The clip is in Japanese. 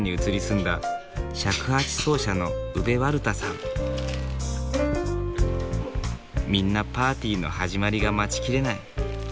みんなパーティーの始まりが待ち切れない。